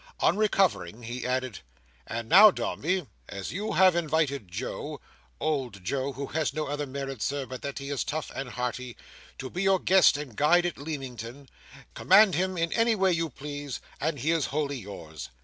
On recovering he added: "And now, Dombey, as you have invited Joe—old Joe, who has no other merit, Sir, but that he is tough and hearty—to be your guest and guide at Leamington, command him in any way you please, and he is wholly yours.